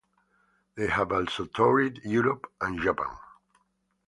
They have also toured Europe and Japan.